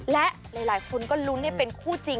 และหลายคนก็ลุ้นให้เป็นคู่จริง